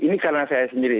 ini karena saya sendiri